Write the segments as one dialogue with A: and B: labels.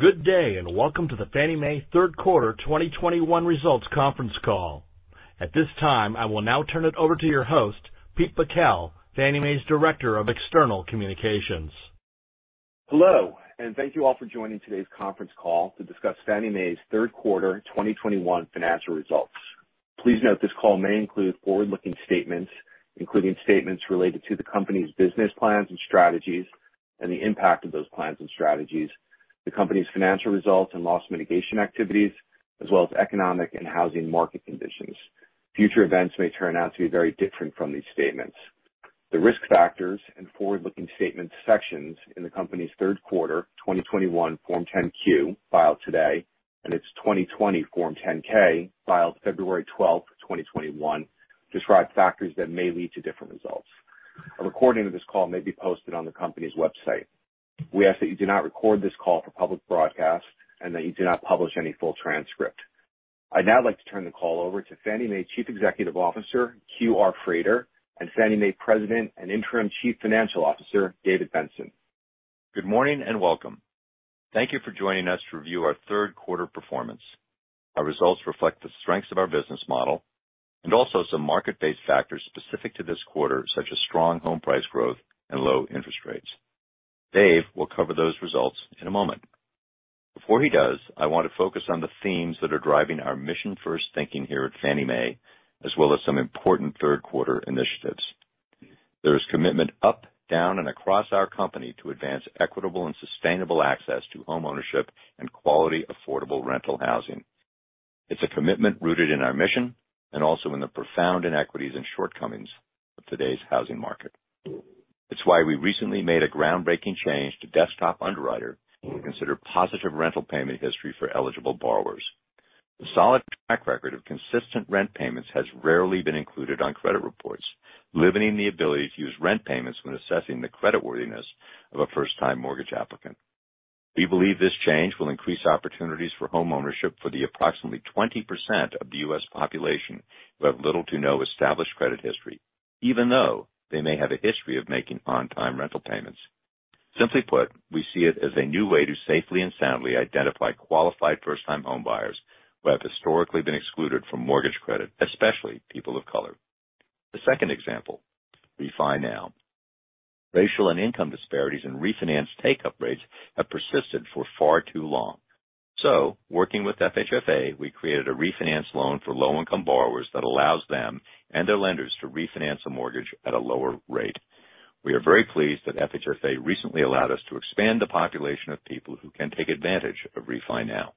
A: Good day, and welcome to the Fannie Mae third quarter 2021 results conference call. At this time, I will now turn it over to your host, Pete Bakel, Fannie Mae's Director of External Communications.
B: Hello, and thank you all for joining today's conference call to discuss Fannie Mae's third quarter 2021 financial results. Please note this call may include forward-looking statements, including statements related to the company's business plans and strategies and the impact of those plans and strategies, the company's financial results and loss mitigation activities, as well as economic and housing market conditions. Future events may turn out to be very different from these statements. The risk factors and forward-looking statements sections in the company's third quarter 2021 Form 10-Q filed today, and its 2020 Form 10-K, filed February 12, 2021, describe factors that may lead to different results. A recording of this call may be posted on the company's website. We ask that you do not record this call for public broadcast and that you do not publish any full transcript. I'd now like to turn the call over to Fannie Mae Chief Executive Officer, Hugh R. Frater, and Fannie Mae President and Interim Chief Financial Officer, David Benson.
C: Good morning, and welcome. Thank you for joining us to review our third quarter performance. Our results reflect the strengths of our business model and also some market-based factors specific to this quarter, such as strong home price growth and low interest rates. Dave will cover those results in a moment. Before he does, I want to focus on the themes that are driving our mission-first thinking here at Fannie Mae, as well as some important third quarter initiatives. There is commitment up, down, and across our company to advance equitable and sustainable access to homeownership and quality, affordable rental housing. It's a commitment rooted in our mission and also in the profound inequities and shortcomings of today's housing market. It's why we recently made a groundbreaking change to Desktop Underwriter to consider positive rental payment history for eligible borrowers. The solid track record of consistent rent payments has rarely been included on credit reports, limiting the ability to use rent payments when assessing the creditworthiness of a first-time mortgage applicant. We believe this change will increase opportunities for homeownership for the approximately 20% of the U.S. population who have little to no established credit history, even though they may have a history of making on-time rental payments. Simply put, we see it as a new way to safely and soundly identify qualified first-time homebuyers who have historically been excluded from mortgage credit, especially people of color. The second example, RefiNow. Racial and income disparities and refinance take-up rates have persisted for far too long. Working with FHFA, we created a refinance loan for low-income borrowers that allows them and their lenders to refinance a mortgage at a lower rate. We are very pleased that FHFA recently allowed us to expand the population of people who can take advantage of RefiNow.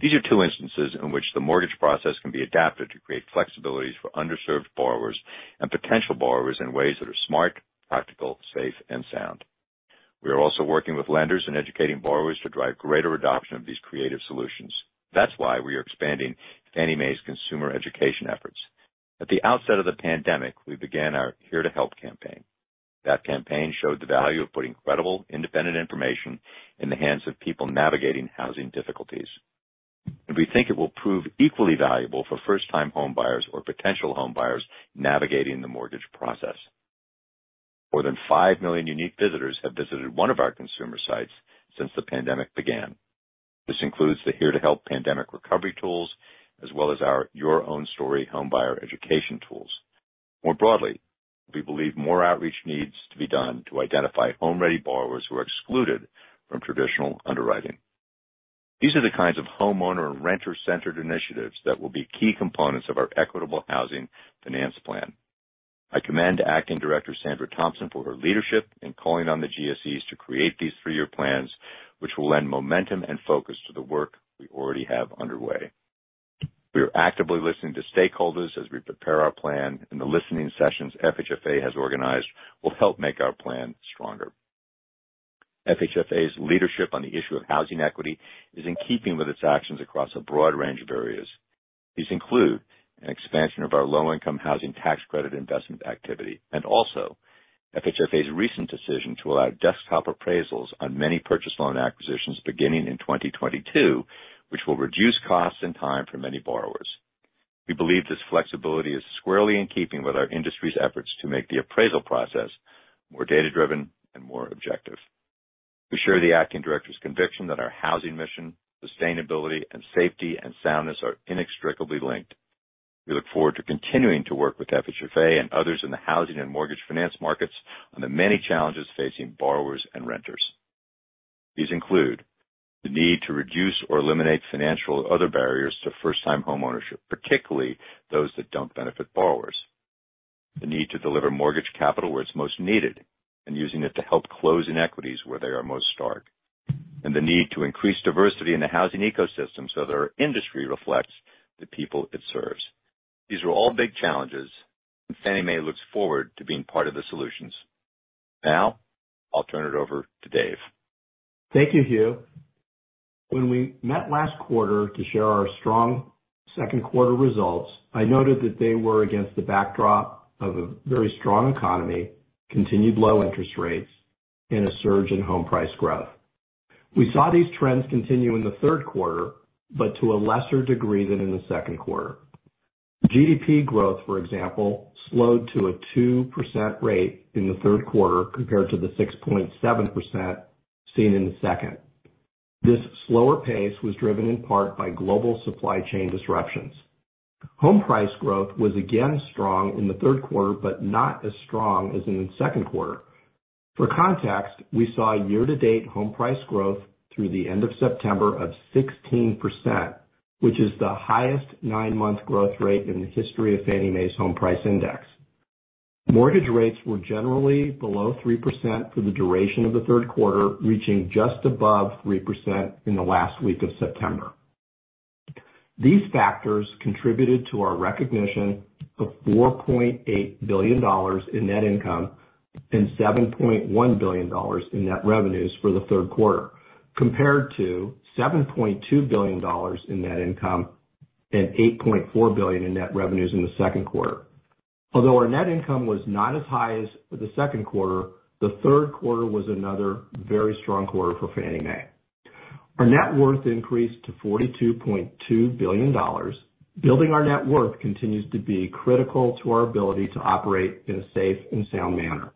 C: These are two instances in which the mortgage process can be adapted to create flexibilities for underserved borrowers and potential borrowers in ways that are smart, practical, safe, and sound. We are also working with lenders and educating borrowers to drive greater adoption of these creative solutions. That's why we are expanding Fannie Mae's consumer education efforts. At the outset of the pandemic, we began our Here to Help campaign. That campaign showed the value of putting credible, independent information in the hands of people navigating housing difficulties. We think it will prove equally valuable for first-time homebuyers or potential homebuyers navigating the mortgage process. More than 5 million unique visitors have visited one of our consumer sites since the pandemic began. This includes the Here to Help pandemic recovery tools, as well as our Your Own Story homebuyer education tools. More broadly, we believe more outreach needs to be done to identify home-ready borrowers who are excluded from traditional underwriting. These are the kinds of homeowner and renter-centered initiatives that will be key components of our Equitable Housing Finance Plan. I commend Acting Director Sandra Thompson for her leadership in calling on the GSEs to create these three-year plans, which will lend momentum and focus to the work we already have underway. We are actively listening to stakeholders as we prepare our plan, and the listening sessions FHFA has organized will help make our plan stronger. FHFA's leadership on the issue of housing equity is in keeping with its actions across a broad range of areas. These include an expansion of our Low-Income Housing Tax Credit investment activity and also FHFA's recent decision to allow desktop appraisals on many purchase loan acquisitions beginning in 2022, which will reduce costs and time for many borrowers. We believe this flexibility is squarely in keeping with our industry's efforts to make the appraisal process more data-driven and more objective. We share the Acting Director's conviction that our housing mission, sustainability, and safety and soundness are inextricably linked. We look forward to continuing to work with FHFA and others in the housing and mortgage finance markets on the many challenges facing borrowers and renters. These include the need to reduce or eliminate financial or other barriers to first-time homeownership, particularly those that don't benefit borrowers. The need to deliver mortgage capital where it's most needed, and using it to help close inequities where they are most stark. The need to increase diversity in the housing ecosystem so that our industry reflects the people it serves. These are all big challenges, and Fannie Mae looks forward to being part of the solutions. Now, I'll turn it over to Dave.
D: Thank you, Hugh. When we met last quarter to share our strong second quarter results, I noted that they were against the backdrop of a very strong economy, continued low interest rates, and a surge in home price growth. We saw these trends continue in the third quarter, but to a lesser degree than in the second quarter. GDP growth, for example, slowed to a 2% rate in the third quarter compared to the 6.7% seen in the second. This slower pace was driven in part by global supply chain disruptions. Home price growth was again strong in the third quarter, but not as strong as in the second quarter. For context, we saw year-to-date home price growth through the end of September of 16%, which is the highest nine-month growth rate in the history of Fannie Mae's Home Price Index. Mortgage rates were generally below 3% for the duration of the third quarter, reaching just above 3% in the last week of September. These factors contributed to our recognition of $4.8 billion in net income and $7.1 billion in net revenues for the third quarter, compared to $7.2 billion in net income and $8.4 billion in net revenues in the second quarter. Although our net income was not as high as the second quarter, the third quarter was another very strong quarter for Fannie Mae. Our net worth increased to $42.2 billion. Building our net worth continues to be critical to our ability to operate in a safe and sound manner.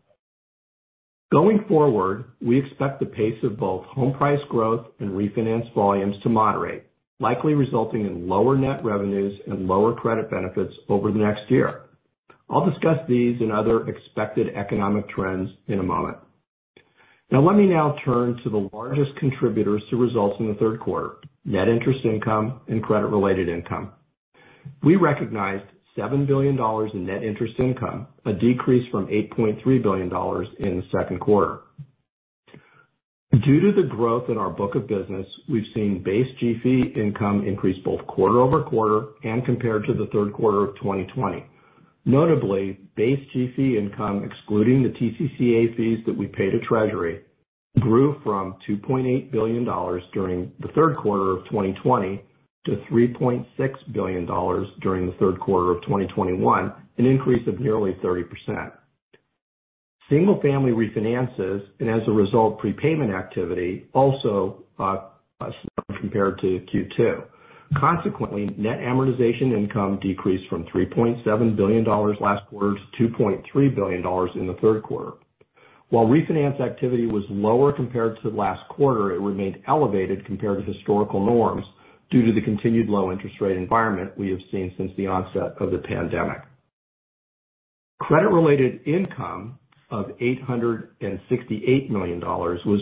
D: Going forward, we expect the pace of both home price growth and refinance volumes to moderate, likely resulting in lower net revenues and lower credit benefits over the next year. I'll discuss these and other expected economic trends in a moment. Now, let me now turn to the largest contributors to results in the third quarter, net interest income and credit-related income. We recognized $7 billion in net interest income, a decrease from $8.3 billion in the second quarter. Due to the growth in our book of business, we've seen base G-fee income increase both quarter-over-quarter and compared to the third quarter of 2020. Notably, base G-fee income, excluding the TCCA fees that we pay to Treasury, grew from $2.8 billion during the third quarter of 2020 to $3.6 billion during the third quarter of 2021, an increase of nearly 30%. Single-family refinances, and as a result, prepayment activity also slowed compared to Q2. Consequently, net amortization income decreased from $3.7 billion last quarter to $2.3 billion in the third quarter. While refinance activity was lower compared to last quarter, it remained elevated compared to historical norms due to the continued low interest rate environment we have seen since the onset of the pandemic. Credit-related income of $868 million was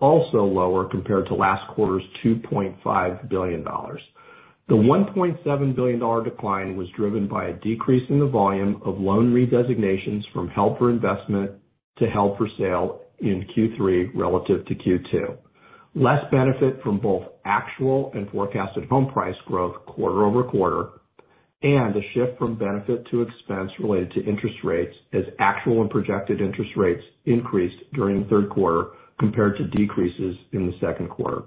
D: also lower compared to last quarter's $2.5 billion. The $1.7 billion decline was driven by a decrease in the volume of loan redesignations from held for investment to held for sale in Q3 relative to Q2, less benefit from both actual and forecasted home price growth quarter-over-quarter, and a shift from benefit to expense related to interest rates as actual and projected interest rates increased during the third quarter compared to decreases in the second quarter.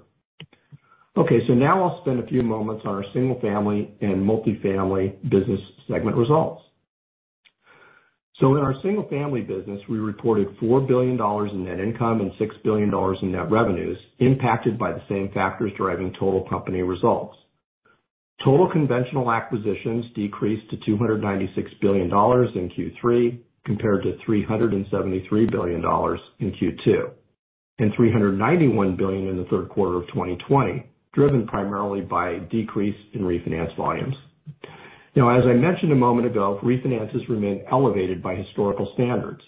D: Okay, now I'll spend a few moments on our Single-Family and Multifamily business segment results. In our Single-Family business, we reported $4 billion in net income and $6 billion in net revenues impacted by the same factors driving total company results. Total conventional acquisitions decreased to $296 billion in Q3 compared to $373 billion in Q2, and $391 billion in the third quarter of 2020, driven primarily by a decrease in refinance volumes. Now, as I mentioned a moment ago, refinances remain elevated by historical standards.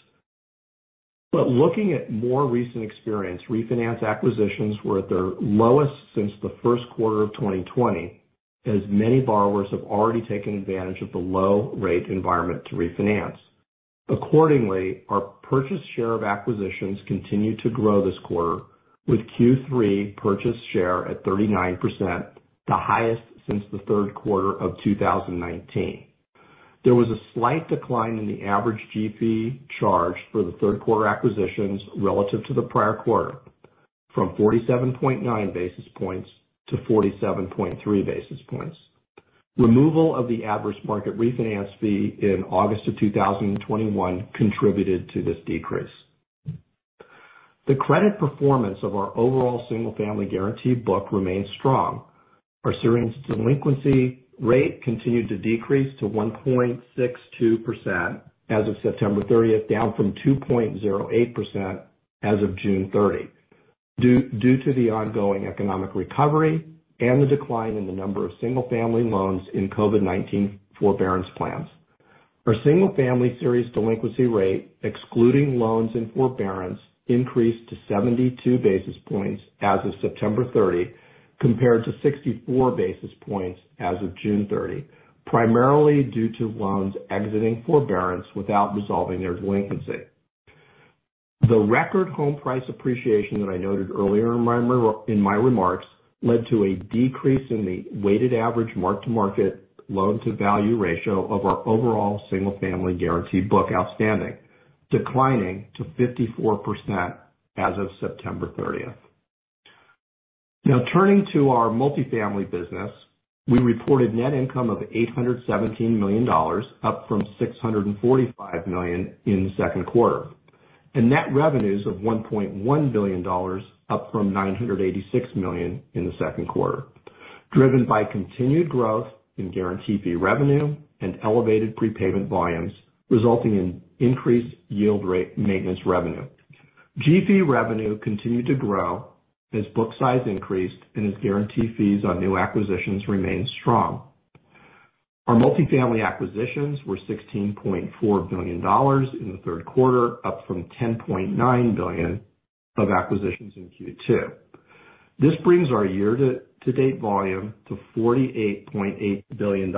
D: Looking at more recent experience, refinance acquisitions were at their lowest since the first quarter of 2020, as many borrowers have already taken advantage of the low rate environment to refinance. Accordingly, our purchase share of acquisitions continued to grow this quarter with Q3 purchase share at 39%, the highest since the third quarter of 2019. There was a slight decline in the average G-fee charged for the third quarter acquisitions relative to the prior quarter from 47.9 basis points to 47.3 basis points. Removal of the Adverse Market Refinance Fee in August 2021 contributed to this decrease. The credit performance of our overall single-family guarantee book remains strong. Our serious delinquency rate continued to decrease to 1.62% as of September 30, down from 2.08% as of June 30, due to the ongoing economic recovery and the decline in the number of single-family loans in COVID-19 forbearance plans. Our single-family serious delinquency rate, excluding loans in forbearance, increased to 72 basis points as of September 30 compared to 64 basis points as of June 30, primarily due to loans exiting forbearance without resolving their delinquency. The record home price appreciation that I noted earlier in my remarks led to a decrease in the weighted average mark-to-market loan-to-value ratio of our overall single-family guarantee book outstanding, declining to 54% as of September 30. Now, turning to our multifamily business, we reported net income of $817 million, up from $645 million in the second quarter. Net revenues of $1.1 billion up from $986 million in the second quarter, driven by continued growth in guarantee fee revenue and elevated prepayment volumes, resulting in increased yield maintenance revenue. G-fee revenue continued to grow as book size increased and as guarantee fees on new acquisitions remained strong. Our multifamily acquisitions were $16.4 billion in the third quarter, up from $10.9 billion of acquisitions in Q2. This brings our year-to-date volume to $48.8 billion,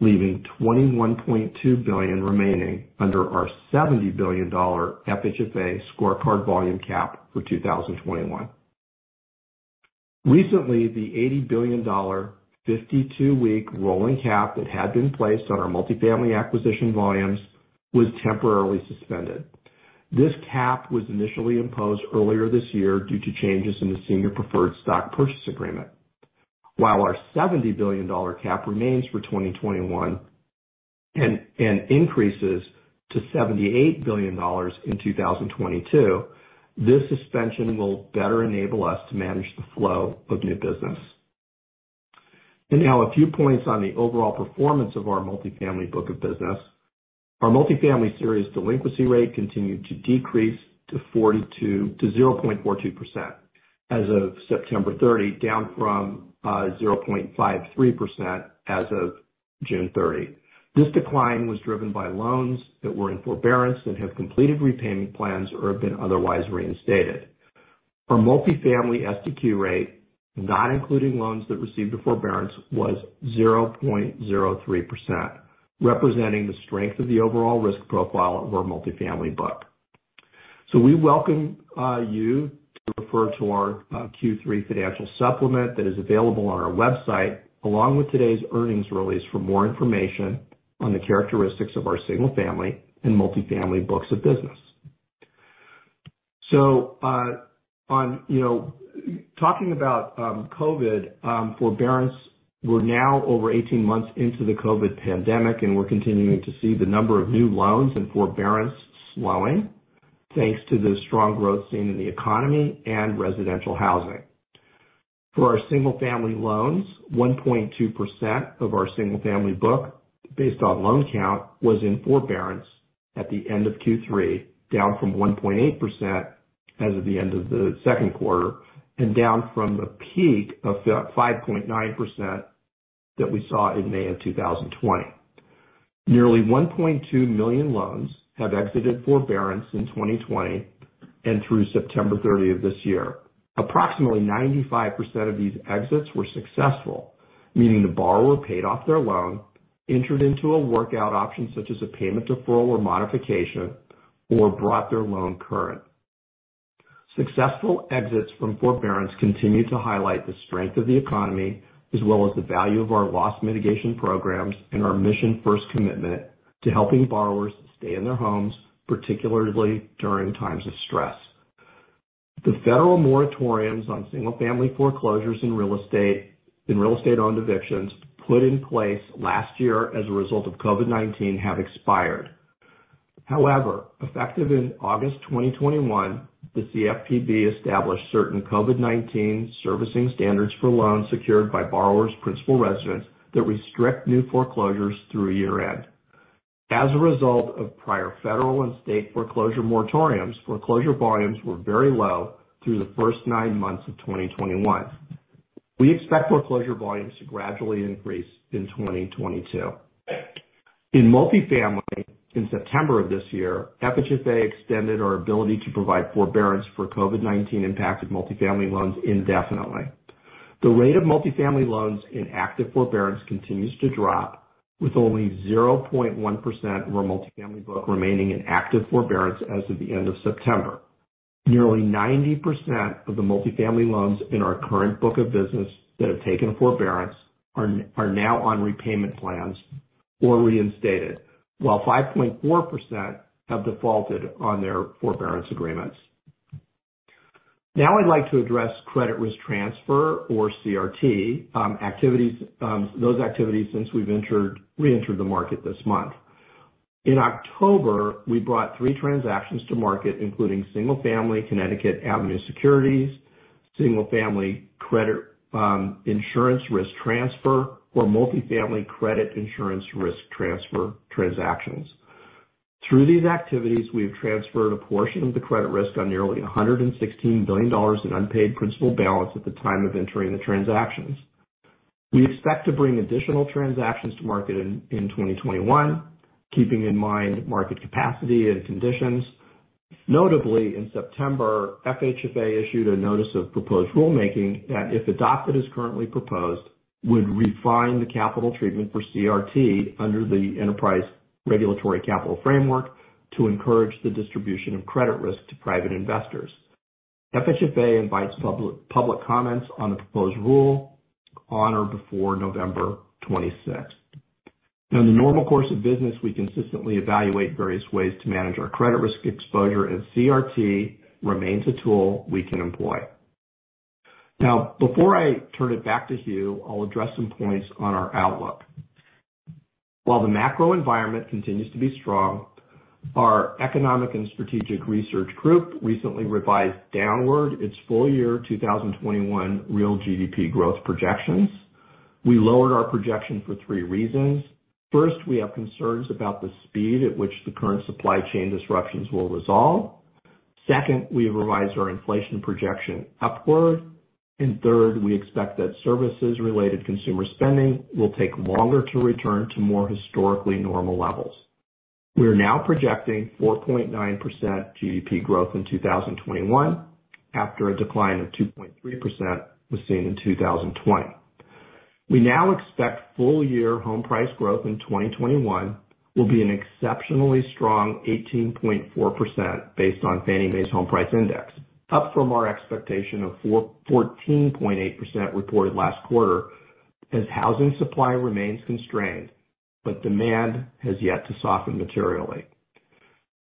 D: leaving $21.2 billion remaining under our $70 billion FHFA scorecard volume cap for 2021. Recently, the $80 billion 52-week rolling cap that had been placed on our multifamily acquisition volumes was temporarily suspended. This cap was initially imposed earlier this year due to changes in the Senior Preferred Stock Purchase Agreement. While our $70 billion cap remains for 2021 and increases to $78 billion in 2022, this suspension will better enable us to manage the flow of new business. Now a few points on the overall performance of our multifamily book of business. Our multifamily serious delinquency rate continued to decrease to 0.42% as of September 30, down from 0.53% as of June 30. This decline was driven by loans that were in forbearance that have completed repayment plans or have been otherwise reinstated. Our multifamily SDQ rate, not including loans that received a forbearance, was 0.03%, representing the strength of the overall risk profile of our multifamily book. We welcome you to refer to our Q3 financial supplement that is available on our website, along with today's earnings release for more information on the characteristics of our single-family and multifamily books of business. On, you know, talking about COVID forbearance, we're now over 18 months into the COVID pandemic, and we're continuing to see the number of new loans in forbearance slowing thanks to the strong growth seen in the economy and residential housing. For our single family loans, 1.2% of our single family book based on loan count was in forbearance at the end of Q3, down from 1.8% as of the end of the second quarter and down from a peak of 5.9% that we saw in May 2020. Nearly 1.2 million loans have exited forbearance in 2020 and through September 30 of this year. Approximately 95% of these exits were successful, meaning the borrower paid off their loan, entered into a workout option such as a payment deferral or modification, or brought their loan current. Successful exits from forbearance continue to highlight the strength of the economy, as well as the value of our loss mitigation programs and our mission first commitment to helping borrowers stay in their homes, particularly during times of stress. The federal moratoriums on single-family foreclosures in real estate-owned evictions put in place last year as a result of COVID-19 have expired. However, effective in August 2021, the CFPB established certain COVID-19 servicing standards for loans secured by borrowers' principal residences that restrict new foreclosures through year-end. As a result of prior federal and state foreclosure moratoriums, foreclosure volumes were very low through the first nine months of 2021. We expect foreclosure volumes to gradually increase in 2022. In multifamily, in September of this year, FHFA extended our ability to provide forbearance for COVID-19 impacted multifamily loans indefinitely. The rate of multifamily loans in active forbearance continues to drop, with only 0.1% of our multifamily book remaining in active forbearance as of the end of September. Nearly 90% of the multifamily loans in our current book of business that have taken forbearance are now on repayment plans or reinstated, while 5.4% have defaulted on their forbearance agreements. Now I'd like to address credit risk transfer or CRT activities, those activities since we've reentered the market this month. In October, we brought three transactions to market, including single-family Connecticut Avenue Securities, single-family Credit Insurance Risk Transfer, or multifamily Credit Insurance Risk Transfer transactions. Through these activities, we have transferred a portion of the credit risk on nearly $116 billion in unpaid principal balance at the time of entering the transactions. We expect to bring additional transactions to market in 2021, keeping in mind market capacity and conditions. Notably, in September, FHFA issued a notice of proposed rulemaking that, if adopted as currently proposed, would refine the capital treatment for CRT under the Enterprise Regulatory Capital Framework to encourage the distribution of credit risk to private investors. FHFA invites public comments on the proposed rule on or before November 26th. In the normal course of business, we consistently evaluate various ways to manage our credit risk exposure, and CRT remains a tool we can employ. Now, before I turn it back to Hugh, I'll address some points on our outlook. While the macro environment continues to be strong, our Economic and Strategic Research Group recently revised downward its full year 2021 real GDP growth projections. We lowered our projection for three reasons. First, we have concerns about the speed at which the current supply chain disruptions will resolve. Second, we revised our inflation projection upward. Third, we expect that services related consumer spending will take longer to return to more historically normal levels. We are now projecting 4.9% GDP growth in 2021 after a decline of 2.3% was seen in 2020. We now expect full-year home price growth in 2021 will be an exceptionally strong 18.4% based on Fannie Mae's Home Price Index, up from our expectation of 14.8% reported last quarter as housing supply remains constrained, but demand has yet to soften materially.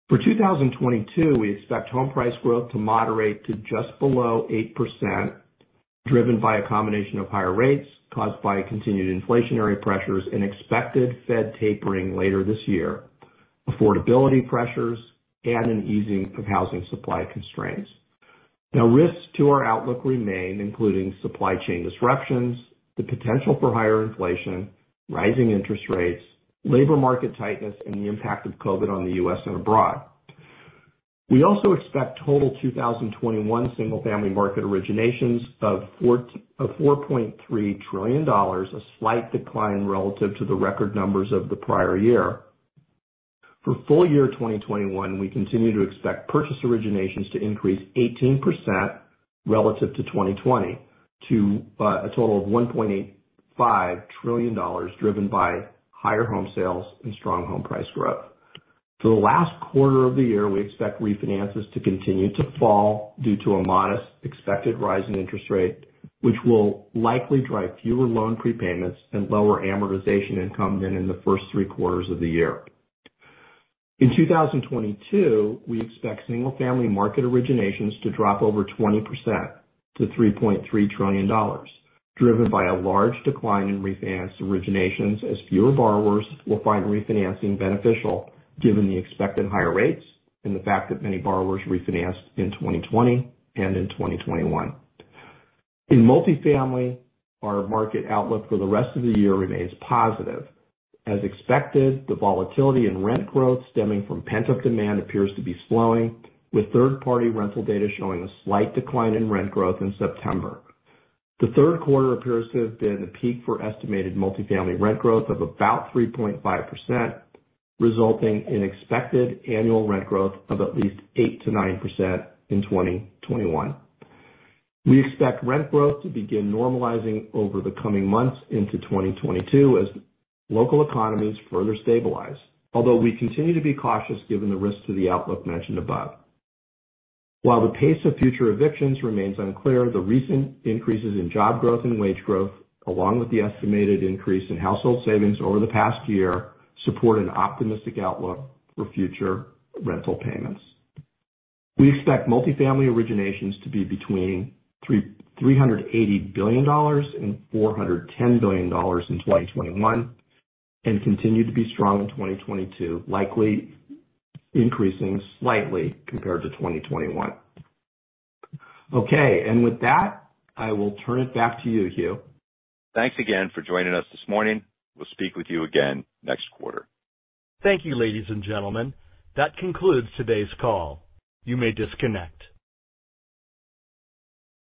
D: For 2022, we expect home price growth to moderate to just below 8%, driven by a combination of higher rates caused by continued inflationary pressures and expected Fed tapering later this year, affordability pressures, and an easing of housing supply constraints. Now risks to our outlook remain, including supply chain disruptions, the potential for higher inflation, rising interest rates, labor market tightness, and the impact of COVID-19 on the U.S. and abroad. We also expect total 2021 single-family mortgage originations of $4.3 trillion, a slight decline relative to the record numbers of the prior year. For full year 2021, we continue to expect purchase originations to increase 18% relative to 2020, to a total of $1.85 trillion driven by higher home sales and strong home price growth. For the last quarter of the year, we expect refinances to continue to fall due to a modest expected rise in interest rate, which will likely drive fewer loan prepayments and lower amortization income than in the first three quarters of the year. In 2022, we expect single family market originations to drop over 20% to $3.3 trillion, driven by a large decline in refinance originations as fewer borrowers will find refinancing beneficial given the expected higher rates and the fact that many borrowers refinanced in 2020 and in 2021. In multifamily, our market outlook for the rest of the year remains positive. As expected, the volatility in rent growth stemming from pent-up demand appears to be slowing, with third-party rental data showing a slight decline in rent growth in September. The third quarter appears to have been the peak for estimated multifamily rent growth of about 3.5%, resulting in expected annual rent growth of at least 8%-9% in 2021. We expect rent growth to begin normalizing over the coming months into 2022 as local economies further stabilize. Although we continue to be cautious given the risks to the outlook mentioned above. While the pace of future evictions remains unclear, the recent increases in job growth and wage growth, along with the estimated increase in household savings over the past year, support an optimistic outlook for future rental payments. We expect multifamily originations to be between $380 billion and $410 billion in 2021 and continue to be strong in 2022, likely increasing slightly compared to 2021. Okay. With that, I will turn it back to you, Hugh.
C: Thanks again for joining us this morning. We'll speak with you again next quarter. Thank you, ladies and gentlemen. That concludes today's call. You may disconnect.